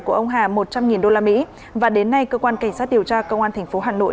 của ông hà một trăm linh usd và đến nay cơ quan cảnh sát điều tra công an tp hà nội